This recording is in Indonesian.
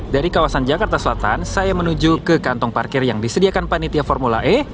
dari kawasan jakarta selatan saya menuju ke kantong parkir yang disediakan panitia formula e